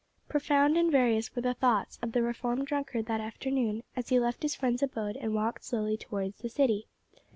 Profound and various were the thoughts of the reformed drunkard that afternoon as he left his friend's abode and walked slowly towards the City.